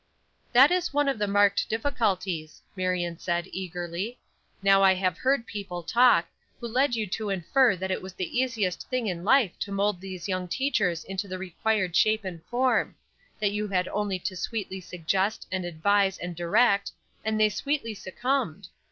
"That is one of the marked difficulties," Marion said, eagerly. "Now I have heard people talk, who led you to infer that it was the easiest thing in life to mold these young teachers into the required shape and form; that you had only to sweetly suggest and advise and direct, and they sweetly succumbed.